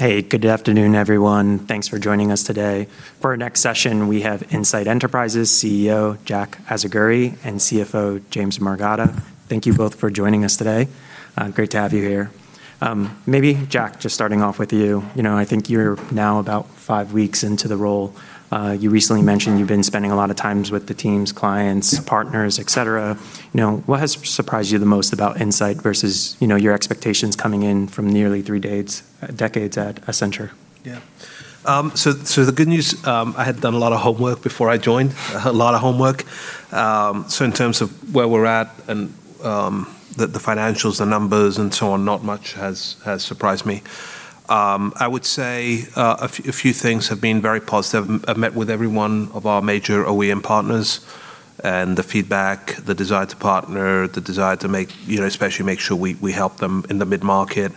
Hey, good afternoon, everyone. Thanks for joining us today. For our next session, we have Insight Enterprises CEO, Jack Azagury, and CFO, James Morgado. Thank you both for joining us today. Great to have you here. Maybe Jack, just starting off with you know, I think you're now about five weeks into the role. You recently mentioned you've been spending a lot of times with the teams, partners, et cetera. You know, what has surprised you the most about Insight versus, you know, your expectations coming in from nearly three decades at Accenture? Yeah. The good news, I had done a lot of homework before I joined. A lot of homework. In terms of where we're at and the financials, the numbers, and so on, not much has surprised me. I would say a few things have been very positive. I've met with every one of our major OEM partners, and the feedback, the desire to partner, the desire to make, you know, especially make sure we help them in the mid-market,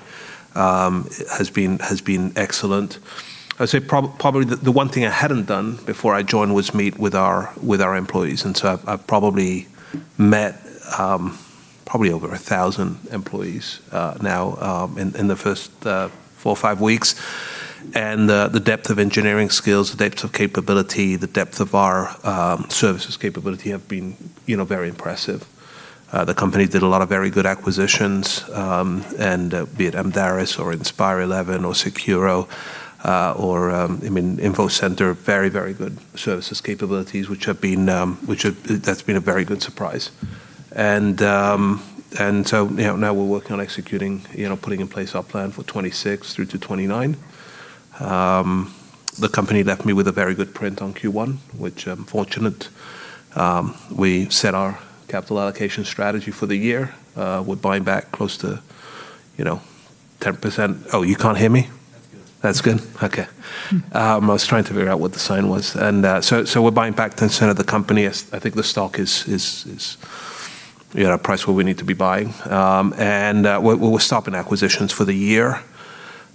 has been excellent. I'd say probably the one thing I hadn't done before I joined was meet with our employees, and I've probably met over 1,000 employees now in the first four or five weeks. The depth of engineering skills, the depth of capability, the depth of our services capability have been, you know, very impressive. The company did a lot of very good acquisitions, be it Amdaris or Inspire11 or Securo, or, I mean, InfoCenter, very, very good services capabilities which have been a very good surprise. You know, now we're working on executing, you know, putting in place our plan for 2026 through to 2029. The company left me with a very good print on Q1, which I'm fortunate. We set our capital allocation strategy for the year, with buying back close to, you know, 10%. Oh, you can't hear me? That's good? Okay. I was trying to figure out what the sign was. We're buying back 10% of the company. I think the stock is, you know, priced where we need to be buying. We're stopping acquisitions for the year.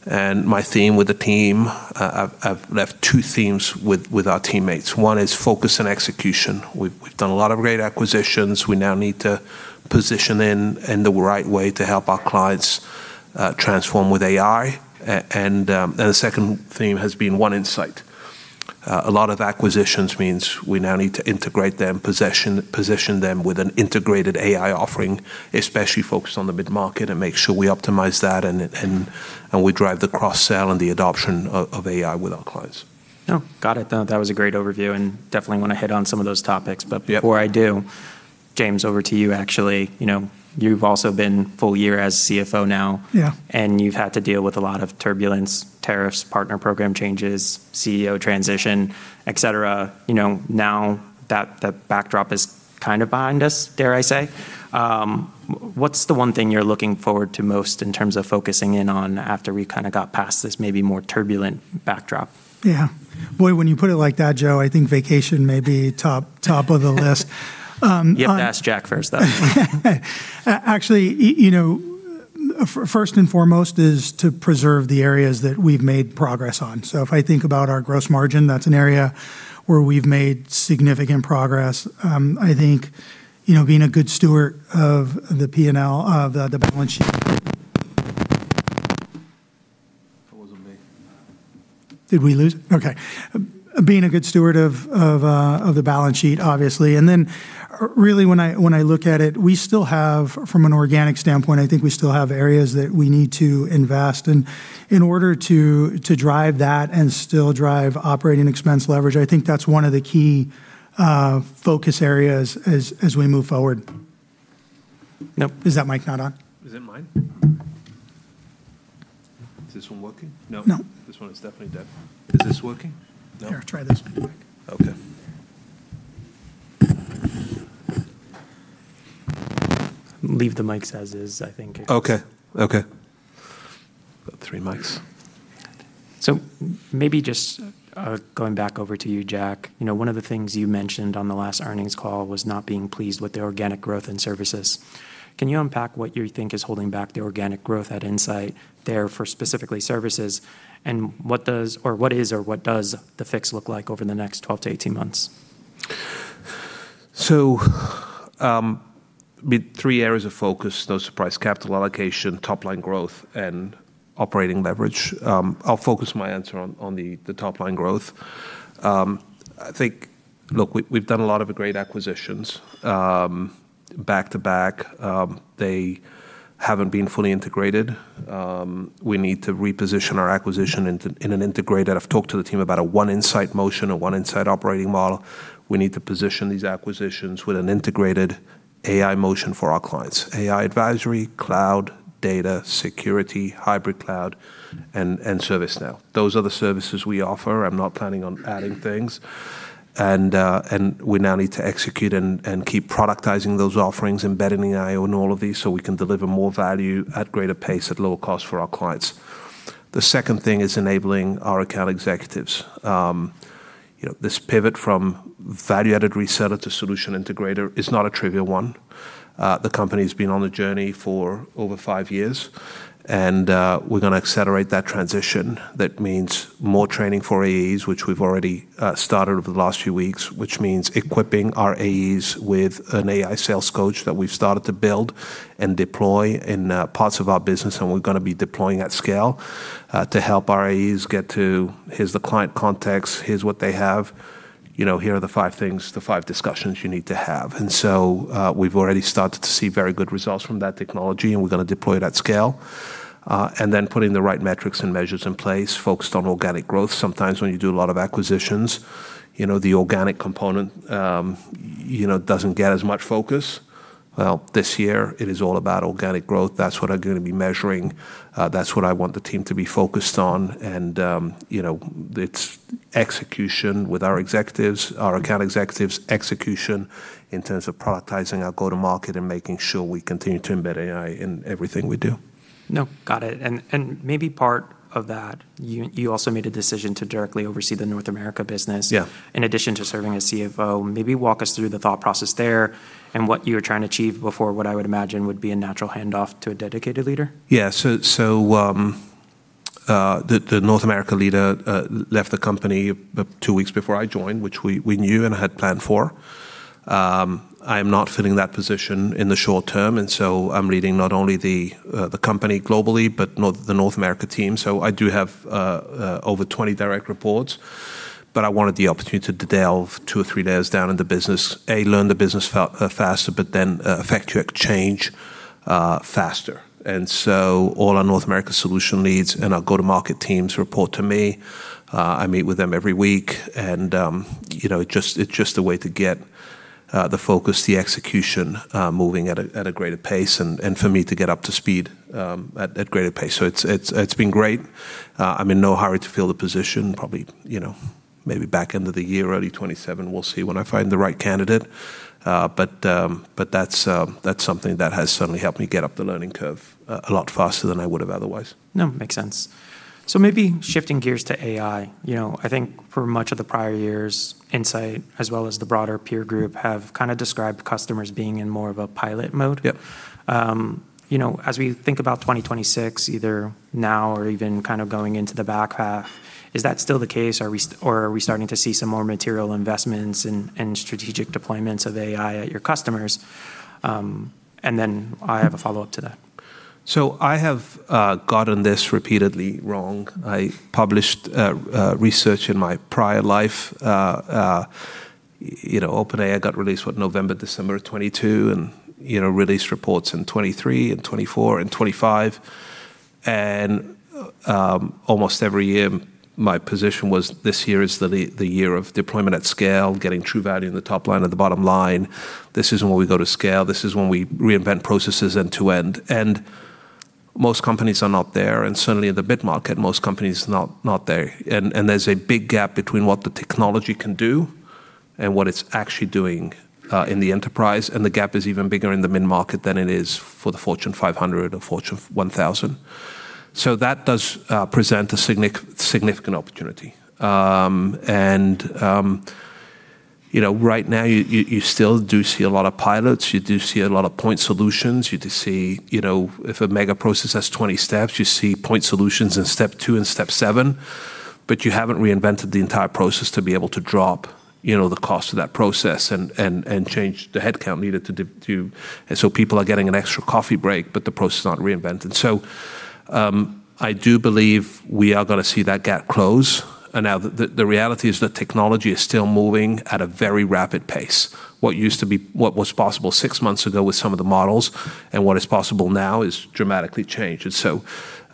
My theme with the team, I've left two themes with our teammates. One is focus and execution. We've done a lot of great acquisitions. We now need to position in the right way to help our clients transform with AI. The second theme has been One Insight. A lot of acquisitions means we now need to integrate them, position them with an integrated AI offering, especially focused on the mid-market, and make sure we optimize that, and we drive the cross-sell and the adoption of AI with our clients. Oh, got it. No, that was a great overview, and definitely wanna hit on some of those topics. Yep. Before I do, James, over to you, actually. You know, you've also been full year as CEO now. Yeah. You've had to deal with a lot of turbulence, tariffs, partner program changes, CEO transition, et cetera. You know, now that the backdrop is kind of behind us, dare I say, what's the one thing you're looking forward to most in terms of focusing in on after we kinda got past this maybe more turbulent backdrop? Yeah. Boy, when you put it like that, Joe, I think vacation may be top of the list. You have to ask Jack first, though. Actually, you know, first and foremost is to preserve the areas that we've made progress on. If I think about our gross margin, that's an area where we've made significant progress. I think, you know, being a good steward of the P&L, of the balance sheet. That wasn't me. Did we lose it? Okay. Being a good steward of the balance sheet, obviously. Really when I look at it, we still have, from an organic standpoint, I think we still have areas that we need to invest. In order to drive that and still drive operating expense leverage, I think that's one of the key focus areas as we move forward. Yep. Is that mic not on? Is it mine? Is this one working? No. No. This one is definitely dead. Is this working? No? Here, try this one, Jack. Okay. Leave the mics as is, I think. Okay, okay. Got three mics. Maybe just going back over to you, Jack. You know, one of the things you mentioned on the last earnings call was not being pleased with the organic growth in services. Can you unpack what you think is holding back the organic growth at Insight there for specifically services, and what does the fix look like over the next 12 to 18 months? With three areas of focus, no surprise, capital allocation, top line growth, and operating leverage. I'll focus my answer on the top line growth. I think, look, we've done a lot of great acquisitions back to back. They haven't been fully integrated. We need to reposition our acquisition into an integrated I've talked to the team about a One Insight motion, a One Insight operating model. We need to position these acquisitions with an integrated AI motion for our clients. AI advisory, cloud, data security, hybrid cloud, and ServiceNow. Those are the services we offer. I'm not planning on adding things. We now need to execute and keep productizing those offerings, embedding AI on all of these so we can deliver more value at greater pace, at lower cost for our clients. The second thing is enabling our account executives. You know, this pivot from value-added reseller to solution integrator is not a trivial one. The company's been on a journey for over five years, we're gonna accelerate that transition. That means more training for AEs, which we've already started over the last few weeks, which means equipping our AEs with an AI sales coach that we've started to build and deploy in parts of our business, and we're gonna be deploying at scale to help our AEs get to, Here's the client context, here's what they have, you know, Here are the five things, the five discussions you need to have and we've already started to see very good results from that technology, and we're gonna deploy it at scale. Then putting the right metrics and measures in place focused on organic growth. Sometimes when you do a lot of acquisitions, you know, the organic component, you know, doesn't get as much focus. Well, this year it is all about organic growth. That's what I'm gonna be measuring. That's what I want the team to be focused on. You know, it's execution with our executives, our account executives, execution in terms of prioritizing our go-to-market and making sure we continue to embed AI in everything we do. No, got it. Maybe part of that, you also made a decision to directly oversee the North America business. Yeah In addition to serving as CFO, maybe walk us through the thought process there and what you were trying to achieve before what I would imagine would be a natural handoff to a dedicated leader. Yeah. The North America leader left the company two weeks before I joined, which we knew and had planned for. I'm not filling that position in the short term, I'm leading not only the company globally, but the North America team. I do have over 20 direct reports, but I wanted the opportunity to delve two or three layers down in the business, A, learn the business faster, but then effectuate change faster. All our North America solution leads and our go-to-market teams report to me. I meet with them every week and, you know, it's just a way to get the focus, the execution, moving at a greater pace and for me to get up to speed at greater pace. It's been great. I'm in no hurry to fill the position. Probably, you know, maybe back end of the year, early 2027, we'll see when I find the right candidate. That's something that has certainly helped me get up the learning curve a lot faster than I would've otherwise. No, makes sense. Maybe shifting gears to AI. You know, I think for much of the prior years, Insight, as well as the broader peer group, have kind of described customers being in more of a pilot mode. Yep. You know, as we think about 2026, either now or even kind of going into the back half, is that still the case? Are we starting to see some more material investments and strategic deployments of AI at your customers? I have a follow-up to that. I have gotten this repeatedly wrong. I published research in my prior life, you know, OpenAI got released, what, November, December of 2022, and, you know, released reports in 2023 and 2024 and 2025. Almost every year my position was, this year is the year of deployment at scale, getting true value in the top line or the bottom line. This is when we go to scale, this is when we reinvent processes end-to-end. Most companies are not there, and certainly in the mid-market, most companies not there. There's a big gap between what the technology can do and what it's actually doing in the enterprise. The gap is even bigger in the mid-market than it is for the Fortune 500 or Fortune 1000. That does present a significant opportunity. You know, right now you still do see a lot of pilots, you do see a lot of point solutions, you do see, you know, if a mega process has 20 steps, you see point solutions in step two and step seven, but you haven't reinvented the entire process to be able to drop, you know, the cost of that process and change the headcount needed to. People are getting an extra coffee break, but the process is not reinvented. I do believe we are gonna see that gap close. Now the reality is that technology is still moving at a very rapid pace. What was possible six months ago with some of the models and what is possible now is dramatically changed.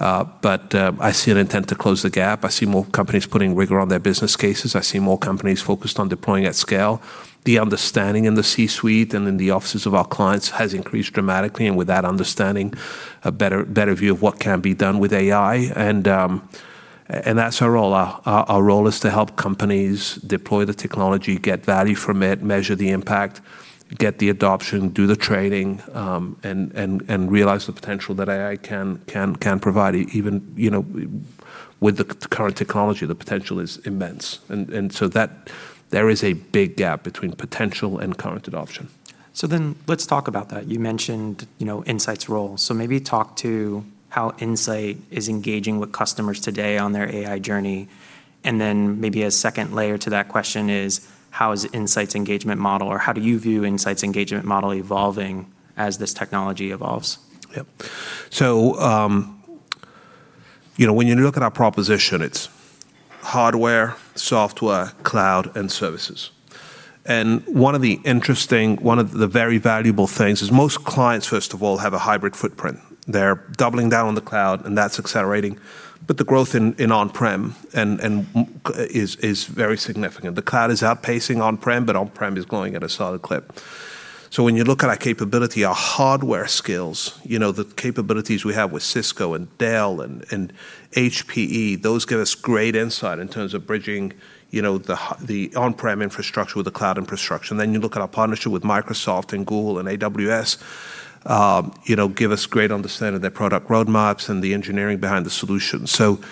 I see an intent to close the gap. I see more companies putting rigor on their business cases. I see more companies focused on deploying at scale. The understanding in the C-suite and in the offices of our clients has increased dramatically, and with that understanding, a better view of what can be done with AI, and that's our role. Our role is to help companies deploy the technology, get value from it, measure the impact, get the adoption, do the training, and realize the potential that AI can provide, you know, with the current technology, the potential is immense. There is a big gap between potential and current adoption. Let's talk about that. You mentioned, you know, Insight's role. Maybe talk to how Insight is engaging with customers today on their AI journey, and then maybe a second layer to that question is, how is Insight's engagement model or how do you view Insight's engagement model evolving as this technology evolves? Yep. you know, when you look at our proposition, it's hardware, software, cloud, and services. One of the very valuable things is most clients, first of all, have a hybrid footprint. They're doubling down on the cloud, and that's accelerating. The growth in on-prem and is very significant. The cloud is outpacing on-prem, but on-prem is growing at a solid clip. When you look at our capability, our hardware skills, you know, the capabilities we have with Cisco and Dell and HPE, those give us great insight in terms of bridging, you know, the on-prem infrastructure with the cloud infrastructure. You look at our partnership with Microsoft and Google and AWS, you know, give us great understanding of their product roadmaps and the engineering behind the solution. The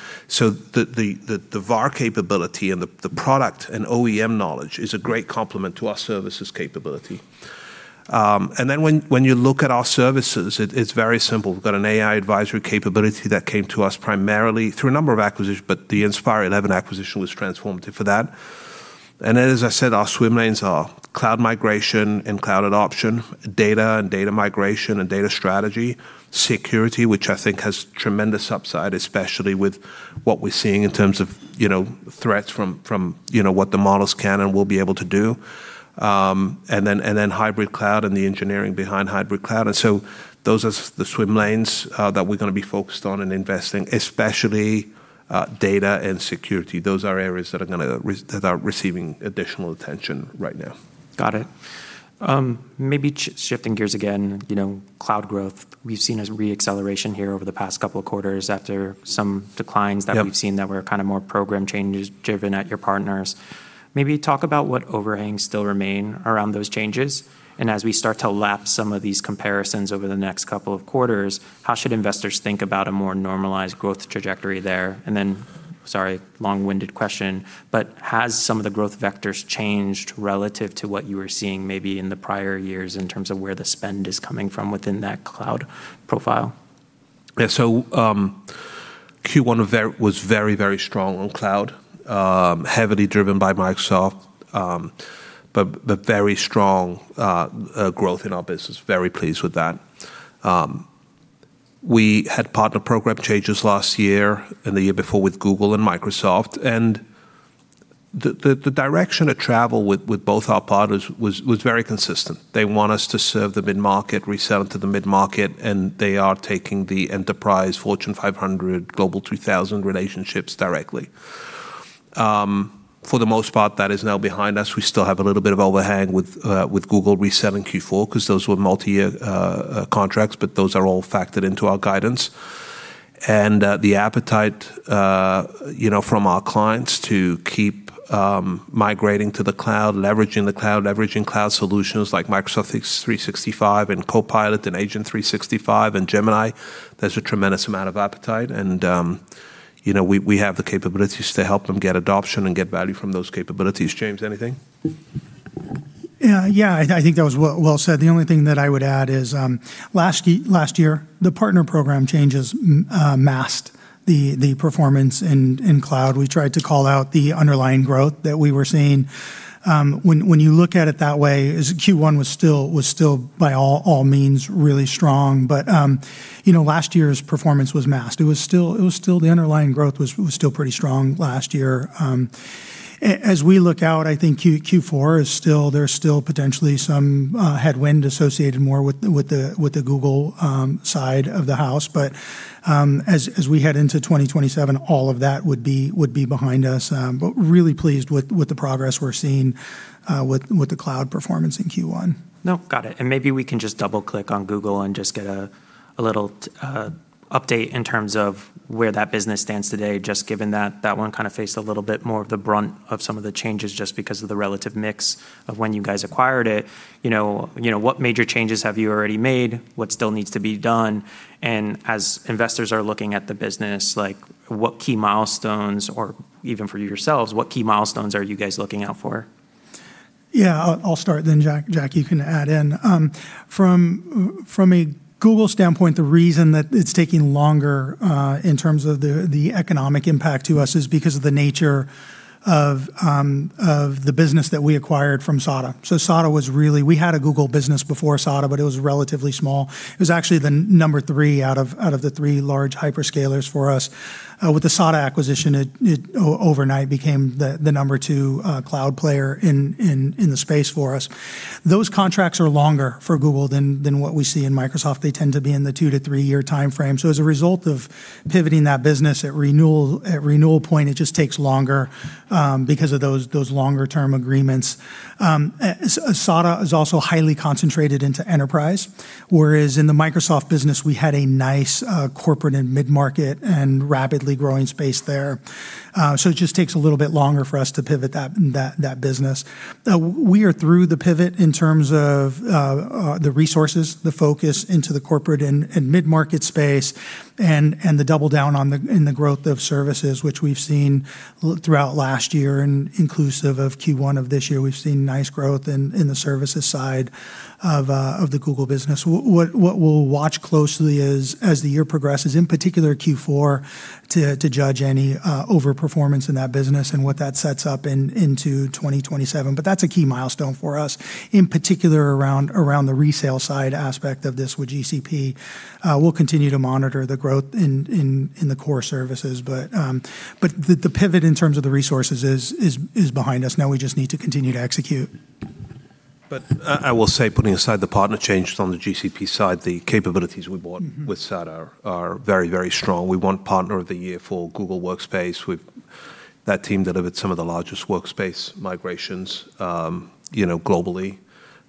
VAR capability and the product and OEM knowledge is a great complement to our services capability. When you look at our services, it's very simple. We've got an AI advisory capability that came to us primarily through a number of acquisitions, but the Inspire11 acquisition was transformative for that. As I said, our swim lanes are cloud migration and cloud adoption, data and data migration and data strategy, security, which I think has tremendous upside, especially with what we're seeing in terms of, you know, threats from, you know, what the models can and will be able to do. And then hybrid cloud and the engineering behind hybrid cloud. Those are the swim lanes that we're gonna be focused on and investing, especially data and security. Those are areas that are receiving additional attention right now. Got it. Maybe shifting gears again, you know, cloud growth, we've seen a re-acceleration here over the past couple of quarters after some declines. Yep That we've seen that were kind of more program changes driven at your partners. Maybe talk about what overhangs still remain around those changes, and as we start to lap some of these comparisons over the next couple of quarters, how should investors think about a more normalized growth trajectory there? Sorry, long-winded question, but has some of the growth vectors changed relative to what you were seeing maybe in the prior years in terms of where the spend is coming from within that cloud profile? Q1 was very, very strong on cloud, heavily driven by Microsoft, but very strong growth in our business. Very pleased with that. We had partner program changes last year and the year before with Google and Microsoft, and the direction of travel with both our partners was very consistent. They want us to serve the mid-market, resell into the mid-market, and they are taking the enterprise Fortune 500, Global 2000 relationships directly. For the most part, that is now behind us, we still have a little bit of overhang with Google reselling Q4 'cause those were multi-year contracts, but those are all factored into our guidance. The appetite, you know, from our clients to keep migrating to the cloud, leveraging the cloud, leveraging cloud solutions like Microsoft 365 and Copilot and Agent 365 and Gemini, there's a tremendous amount of appetite and, you know, we have the capabilities to help them get adoption and get value from those capabilities. James, anything? I think that was well said. The only thing that I would add is last year, the partner program changes masked the performance in cloud. We tried to call out the underlying growth that we were seeing. When you look at it that way, Q1 was still by all means really strong. You know, last year's performance was masked. It was still the underlying growth was still pretty strong last year. As we look out, I think Q4 is still potentially some headwind associated more with the Google side of the house. As we head into 2027, all of that would be behind us. Really pleased with the progress we're seeing with the cloud performance in Q1. No, got it. Maybe we can just double-click on Google and just get a little update in terms of where that business stands today, just given that that one kinda faced a little bit more of the brunt of some of the changes just because of the relative mix of when you guys acquired it. You know, what major changes have you already made? What still needs to be done? As investors are looking at the business, like what key milestones, or even for yourselves, what key milestones are you guys looking out for? I'll start then, Jack. Jack, you can add in. From a Google standpoint, the reason that it's taking longer in terms of the economic impact to us is because of the nature of the business that we acquired from SADA. We had a Google business before SADA, but it was relatively small. It was actually the number three out of the three large hyperscalers for us. With the SADA acquisition, it overnight became the number two cloud player in the space for us. Those contracts are longer for Google than what we see in Microsoft. They tend to be in the two to three-year timeframe. As a result of pivoting that business at renewal, at renewal point, it just takes longer because of those longer term agreements. SADA is also highly concentrated into enterprise, whereas in the Microsoft business, we had a nice corporate and mid-market and rapidly growing space there. It just takes a little bit longer for us to pivot that business. We are through the pivot in terms of the resources, the focus into the corporate and mid-market space, and the double down on the in the growth of services, which we've seen throughout last year and inclusive of Q1 of this year. We've seen nice growth in the services side of the Google business. What we'll watch closely as the year progresses, in particular Q4, to judge any over-performance in that business and what that sets up into 2027, but that's a key milestone for us, in particular around the resale side aspect of this with GCP. We'll continue to monitor the growth in the core services but the pivot in terms of the resources is behind us. We just need to continue to execute. I will say, putting aside the partner changes on the GCP side, the capabilities we bought. With SADA, are very, very strong. We won Partner of the Year for Google Workspace. That team delivered some of the largest workspace migrations, you know, globally.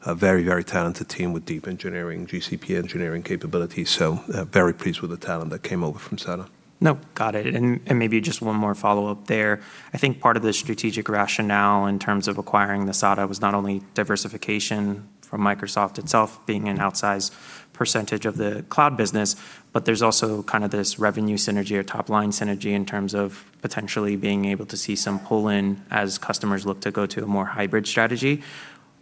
A very, very talented team with deep engineering, GCP engineering capabilities, so very pleased with the talent that came over from SADA. No, got it. Maybe just one more follow-up there. I think part of the strategic rationale in terms of acquiring the SADA was not only diversification from Microsoft itself being an outsized percentage of the cloud business, but there's also kind of this revenue synergy or top-line synergy in terms of potentially being able to see some pull-in as customers look to go to a more hybrid strategy.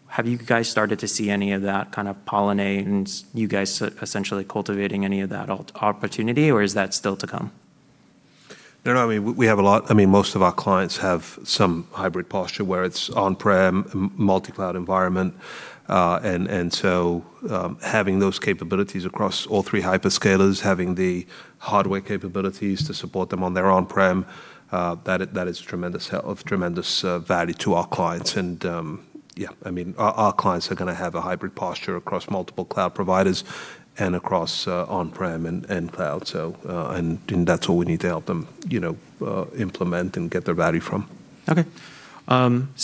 Have you guys started to see any of that kind of pollinate and you guys essentially cultivating any of that op-opportunity, or is that still to come? I mean, we have a lot. I mean, most of our clients have some hybrid posture where it's on-prem, multi-cloud environment. Having those capabilities across all three hyperscalers, having the hardware capabilities to support them on their on-prem, that is tremendous value to our clients. I mean, our clients are gonna have a hybrid posture across multiple cloud providers and across on-prem and cloud. That's all we need to help them, you know, implement and get their value from. Okay.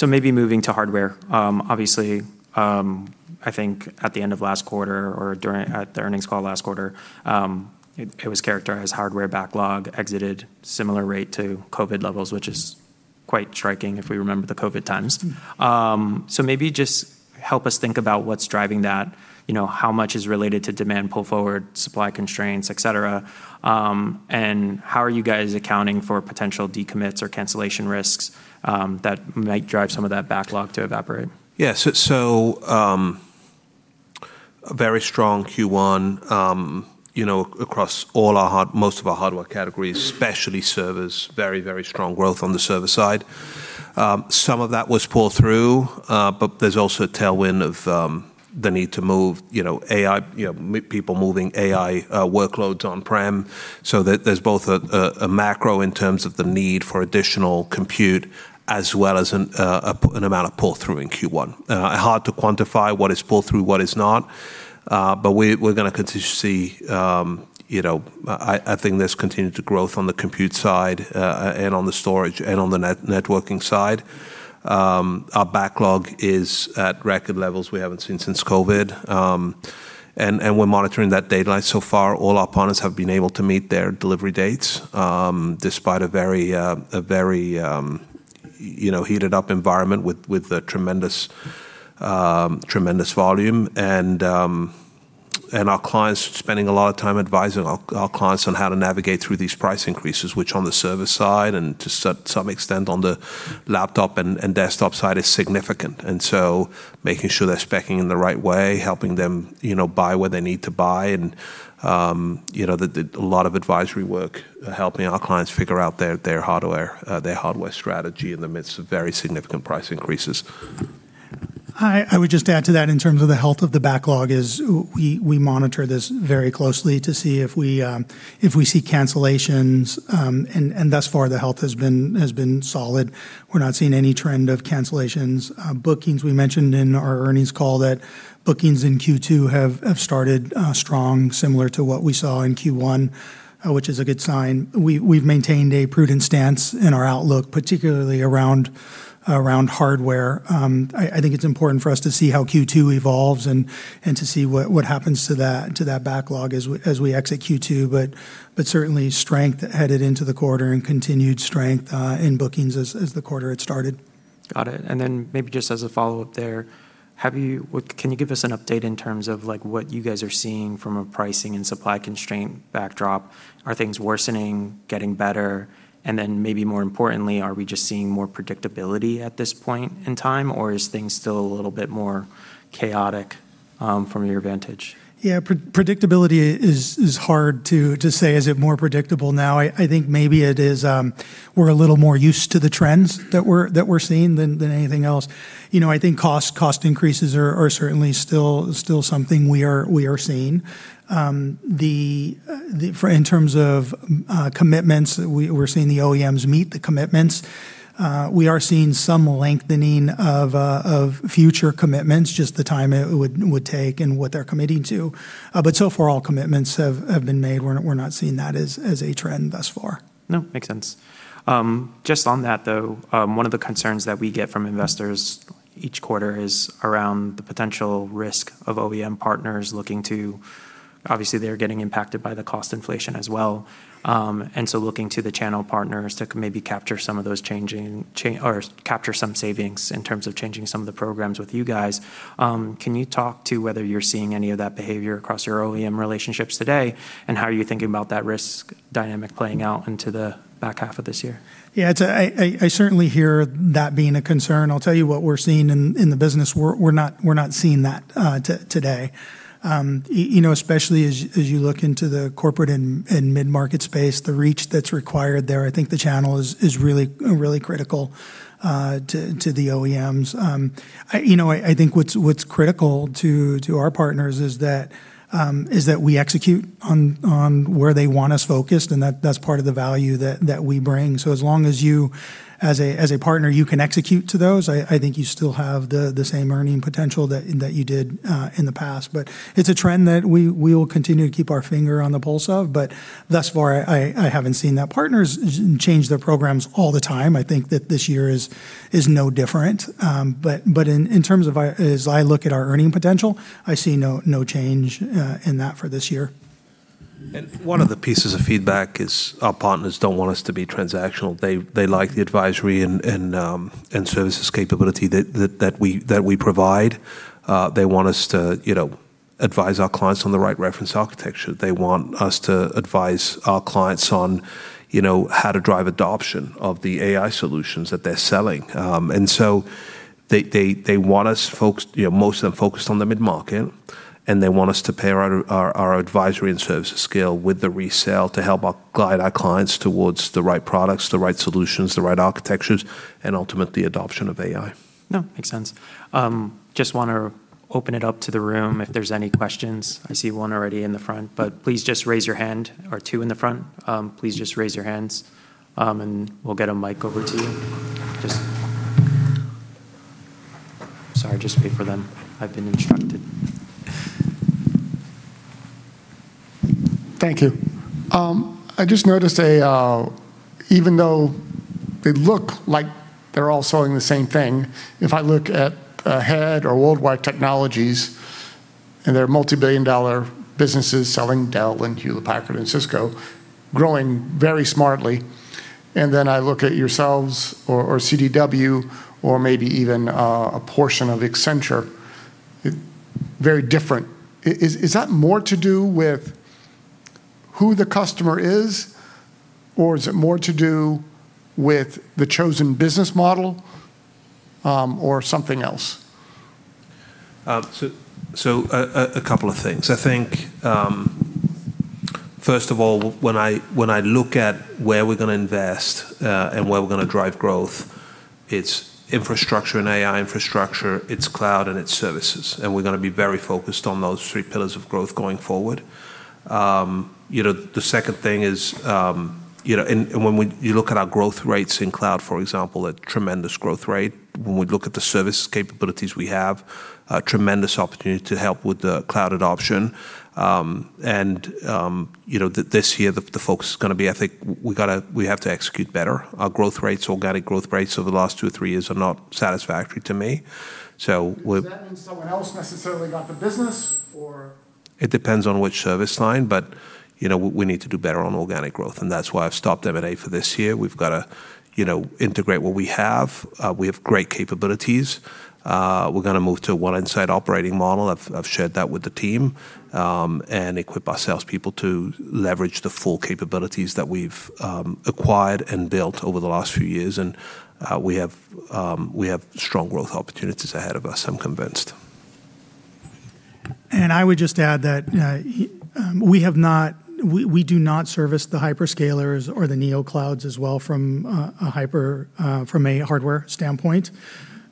Maybe moving to hardware. Obviously, I think at the end of last quarter or at the earnings call last quarter, it was characterized hardware backlog exited similar rate to COVID levels, which is quite striking if we remember the COVID times. Maybe just help us think about what's driving that, you know, how much is related to demand pull forward, supply constraints, et cetera. How are you guys accounting for potential decommits or cancellation risks that might drive some of that backlog to evaporate? Yeah. A very strong Q1, you know, across most of our hardware categories, especially servers, very, very strong growth on the server side. Some of that was pull through, but there's also a tailwind of the need to move, you know, AI, you know, people moving AI workloads on-prem. There's both a macro in terms of the need for additional compute, as well as an amount of pull through in Q1. Hard to quantify what is pull through, what is not, but we're gonna see, you know I think there's continued growth on the compute side, and on the storage and on the networking side. Our backlog is at record levels we haven't seen since COVID. We're monitoring that data, and so far, all our partners have been able to meet their delivery dates, despite a very, you know, heated up environment with a tremendous volume. Our clients spending a lot of time advising our clients on how to navigate through these price increases, which on the server side and to some extent on the laptop and desktop side is significant. Making sure they're speccing in the right way, helping them, you know, buy what they need to buy and, you know, a lot of advisory work helping our clients figure out their hardware, their hardware strategy in the midst of very significant price increases. I would just add to that in terms of the health of the backlog, we monitor this very closely to see if we see cancellations, and thus far the health has been solid. We're not seeing any trend of cancellations. Bookings, we mentioned in our earnings call that bookings in Q2 have started strong, similar to what we saw in Q1, which is a good sign. We've maintained a prudent stance in our outlook, particularly around hardware. I think it's important for us to see how Q2 evolves and to see what happens to that backlog as we execute Q2. Certainly strength headed into the quarter and continued strength in bookings as the quarter had started. Got it. Maybe just as a follow-up there, can you give us an update in terms of, like, what you guys are seeing from a pricing and supply constraint backdrop? Are things worsening, getting better? Maybe more importantly, are we just seeing more predictability at this point in time, or is things still a little bit more chaotic from your vantage? Yeah. Predictability is hard to say. Is it more predictable now? I think maybe it is, we're a little more used to the trends that we're seeing than anything else. You know, I think cost increases are certainly still something we are seeing. In terms of commitments, we're seeing the OEMs meet the commitments. We are seeing some lengthening of future commitments, just the time it would take and what they're committing to. So far all commitments have been made. We're not seeing that as a trend thus far. No, makes sense. Just on that though, one of the concerns that we get from investors each quarter is around the potential risk of OEM partners. Obviously they're getting impacted by the cost inflation as well, looking to the channel partners to maybe capture some of those changing, or capture some savings in terms of changing some of the programs with you guys. Can you talk to whether you're seeing any of that behavior across your OEM relationships today, and how are you thinking about that risk dynamic playing out into the back half of this year? I certainly hear that being a concern. I'll tell you what we're seeing in the business, we're not seeing that today. You know, especially as you look into the corporate and mid-market space, the reach that's required there, I think the channel is really critical to the OEMs. You know, I think what's critical to our partners is that we execute on where they want us focused, and that's part of the value that we bring. As long as you, as a partner, you can execute to those, I think you still have the same earning potential that you did in the past. It's a trend that we will continue to keep our finger on the pulse of, but thus far I haven't seen that. Partners change their programs all the time. I think that this year is no different. In terms of our as I look at our earning potential, I see no change in that for this year. One of the pieces of feedback is our partners don't want us to be transactional. They like the advisory and services capability that we provide, they want us to, you know, advise our clients on the right reference architecture, they want us to advise our clients on, you know, how to drive adoption of the AI solutions that they're selling. They want us focused, you know, most of them focused on the mid-market, and they want us to pair our advisory and services skill with the resale to help our guide our clients towards the right products, the right solutions, the right architectures, and ultimately adoption of AI. No, makes sense. Just wanna open it up to the room if there's any questions. I see one already in the front, but please just raise your hand. Two in the front. Please just raise your hands, and we'll get a mic over to you. Sorry, just wait for them. I've been instructed. Thank you. I just noticed a, even though they look like they're all selling the same thing, if I look at AHEAD or World Wide Technology, and they're multi-billion dollar businesses selling Dell, and Hewlett-Packard, and Cisco, growing very smartly, and then I look at yourselves, or CDW, or maybe even a portion of Accenture, very different. Is that more to do with who the customer is, or is it more to do with the chosen business model, or something else? A couple of things. I think, first of all, when I look at where we're gonna invest and where we're gonna drive growth, it's infrastructure and AI infrastructure, it's cloud, and it's services, and we're gonna be very focused on those three pillars of growth going forward. You know, the second thing is, you know, and when we look at our growth rates in cloud, for example, a tremendous growth rate. When we look at the service capabilities we have, a tremendous opportunity to help with the cloud adoption. You know, this year the focus is gonna be, I think, we have to execute better. Our growth rates, organic growth rates over the last two or three years are not satisfactory to me. Does that mean someone else necessarily got the business or? It depends on which service line, but, you know, we need to do better on organic growth, and that's why I've stopped M&A for this year. We've gotta, you know, integrate what we have, we've great capabilities. We're gonna move to a One Insight operating model, I've shared that with the team, and equip our salespeople to leverage the full capabilities that we've acquired and built over the last few years. We have strong growth opportunities ahead of us, I'm convinced. I would just add that we do not service the hyperscalers or the neoclouds as well from a hardware standpoint.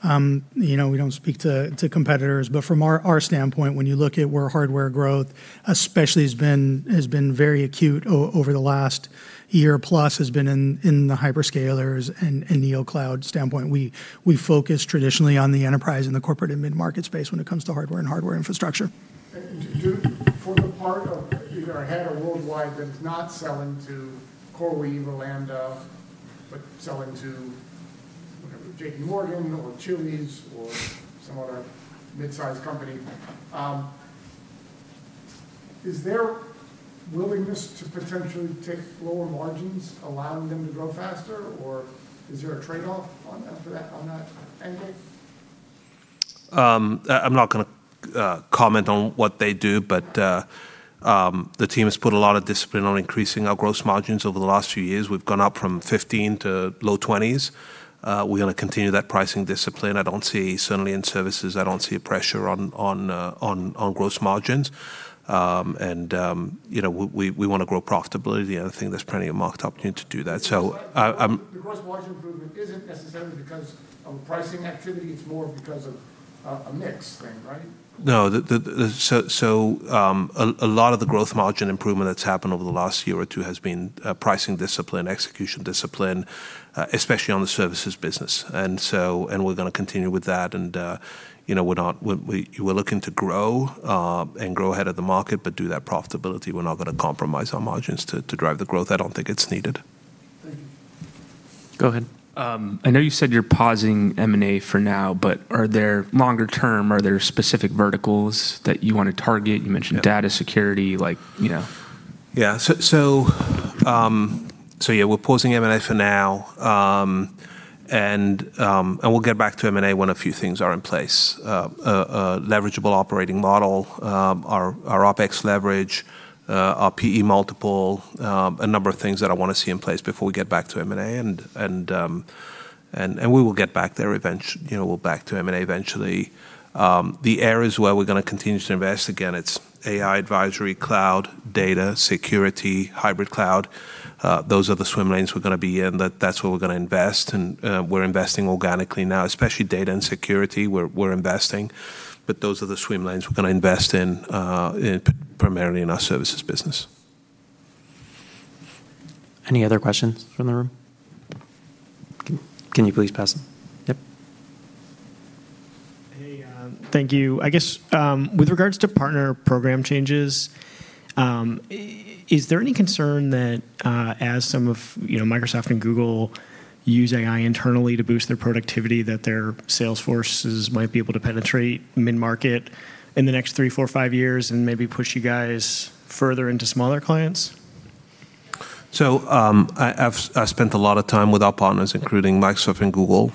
You know, we don't speak to competitors, but from our standpoint, when you look at where hardware growth especially has been, has been very acute over the last year plus has been in the hyperscalers and neocloud standpoint. We focus traditionally on the enterprise and the corporate and mid-market space when it comes to hardware and hardware infrastructure. Do, for the part of either AHEAD or Worldwide that's not selling to CoreWeave or LandUp, but selling to, whatever, JPMorgan, or Chili's, or some other midsize company, is there willingness to potentially take lower margins, allowing them to grow faster, or is there a trade-off on for that on that, Andy? I'm not gonna comment on what they do, but the team has put a lot of discipline on increasing our gross margins over the last few years. We've gone up from 15% to low 20s. We're gonna continue that pricing discipline. I don't see, certainly in services, I don't see a pressure on gross margins. You know, we wanna grow profitability, and I think there's plenty of market opportunity to do that. The gross margin improvement isn't necessarily because of pricing activity, it's more because of a mix thing, right? No. A lot of the growth margin improvement that's happened over the last year or two has been pricing discipline, execution discipline, especially on the services business. We're gonna continue with that, and, you know, we're looking to grow and grow ahead of the market, but do that profitability. We're not gonna compromise our margins to drive the growth. I don't think it's needed. Thank you. Go ahead. I know you said you're pausing M&A for now, but are there longer term, are there specific verticals that you wanna target? You mentioned- Yeah ....data security, like, you know? We're pausing M&A for now. We'll get back to M&A when a few things are in place. A leverageable operating model, our OPEX leverage, our PE multiple, a number of things that I wanna see in place before we get back to M&A, we will get back there, you know, we'll be back to M&A eventually. The areas where we're gonna continue to invest, again, it's AI advisory, cloud, data security, hybrid cloud. Those are the swim lanes we're gonna be in. That's where we're gonna invest, we're investing organically now, especially data and security we're investing. Those are the swim lanes we're gonna invest in, primarily in our services business. Any other questions from the room? Can you please pass them? Yep. Hey, thank you. I guess, with regards to partner program changes, is there any concern that, as some of, you know, Microsoft and Google use AI internally to boost their productivity, that their sales forces might be able to penetrate mid-market in the next three, four, five years and maybe push you guys further into smaller clients? I spent a lot of time with our partners, including Microsoft and Google.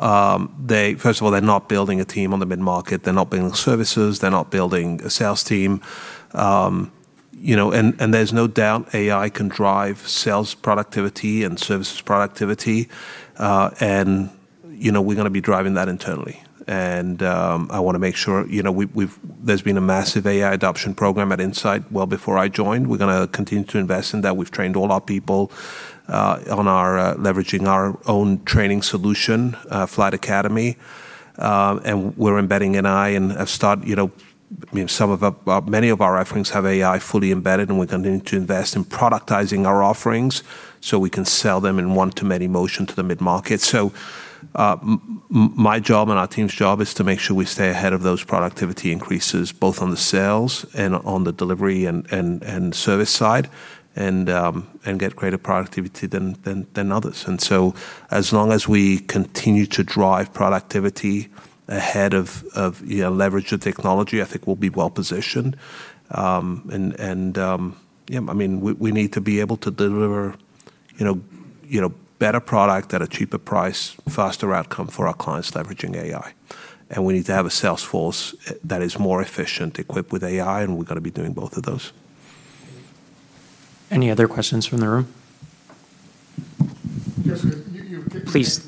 First of all, they're not building a team on the mid-market. They're not building services, they're not building a sales team. You know, there's no doubt AI can drive sales productivity and services productivity. You know, we're gonna be driving that internally. I wanna make sure, you know, there's been a massive AI adoption program at Insight well before I joined. We're gonna continue to invest in that. We've trained all our people on our leveraging our own training solution, AI Flight Academy. Many of our offerings have AI fully embedded, and we're continuing to invest in productizing our offerings so we can sell them in one-to-many motion to the mid-market. My job and our team's job is to make sure we stay ahead of those productivity increases, both on the sales and on the delivery and service side, and get greater productivity than others. As long as we continue to drive productivity ahead of, you know, leverage the technology, I think we'll be well positioned. Yeah, I mean, we need to be able to deliver, you know, better product at a cheaper price, faster outcome for our clients leveraging AI. We need to have a sales force, that is more efficient equipped with AI, and we're gonna be doing both of those. Any other questions from the room? Yes, 'cause you came from Accenture. Please,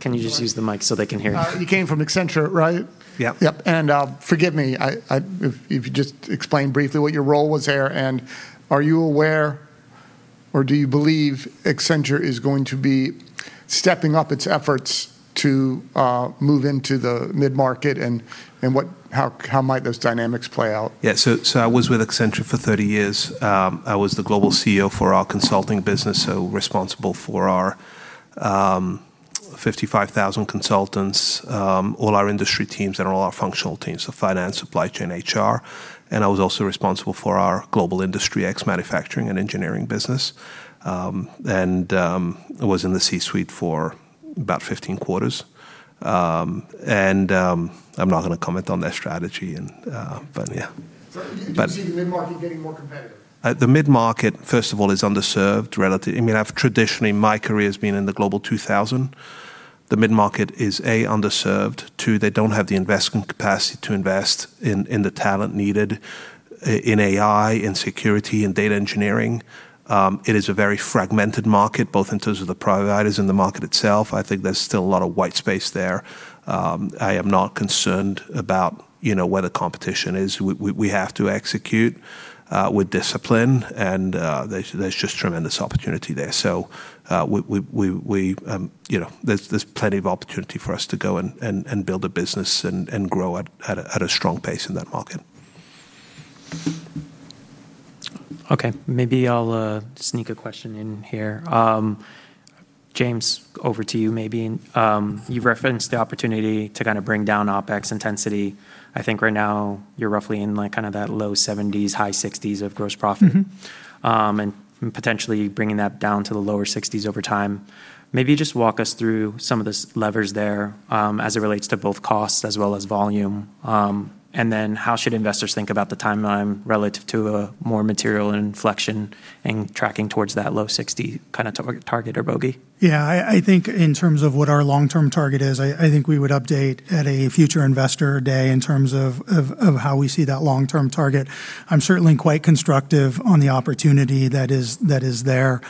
can you just use the mic so they can hear you? You came from Accenture, right? Yeah. Yep. Forgive me, if you just explain briefly what your role was there. Are you aware, or do you believe Accenture is going to be stepping up its efforts to move into the mid-market? How might those dynamics play out? Yeah. I was with Accenture for 30 years, I was the global CEO for our consulting business, responsible for our 55,000 consultants, all our industry teams and all our functional teams of finance, supply chain, HR. I was also responsible for our global industry ex manufacturing and engineering business, and was in the C-suite for about 15 quarters. I'm not gonna comment on their strategy. Yeah. Do you see the mid-market getting more competitive? The mid-market, first of all, is underserved relative. I mean, I've traditionally, my career's been in the Global 2000. The mid-market is, A, underserved. 2, they don't have the investment capacity to invest in the talent needed in AI, in security, in data engineering. It is a very fragmented market, both in terms of the providers in the market itself. I think there's still a lot of white space there. I am not concerned about, you know, where the competition is. We have to execute with discipline, and there's just tremendous opportunity there. We, you know, there's plenty of opportunity for us to go and build a business and grow at a strong pace in that market. Okay. Maybe I'll sneak a question in here. James, over to you maybe. You've referenced the opportunity to kinda bring down OPEX intensity. I think right now you're roughly in, like, kinda that low 70s, high 60s of gross profit. Potentially bringing that down to the lower 60s over time. Maybe just walk us through some of the levers there, as it relates to both costs as well as volume. How should investors think about the timeline relative to a more material inflection in tracking towards that low 60 target or bogey? I think in terms of what our long-term target is, I think we would update at a future investor day in terms of how we see that long-term target. I'm certainly quite constructive on the opportunity that is there.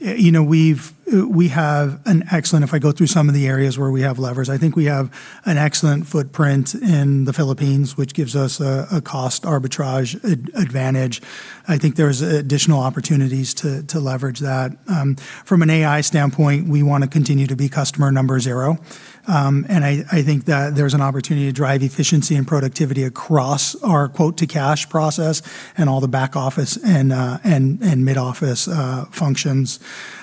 You know, we have an excellent If I go through some of the areas where we have levers, I think we have an excellent footprint in the Philippines, which gives us a cost arbitrage advantage. I think there's additional opportunities to leverage that. From an AI standpoint, we wanna continue to be customer number 0. I think that there's an opportunity to drive efficiency and productivity across our quote-to-cash process and all the back office and mid-office functions.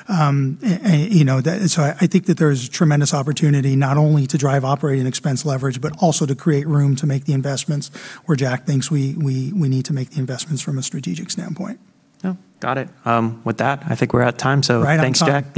You know, that I think that there's tremendous opportunity not only to drive operating expense leverage, but also to create room to make the investments where Jack thinks we need to make the investments from a strategic standpoint. Oh, got it. With that, I think we're at time. Right on time. Thanks, Jack. Yeah.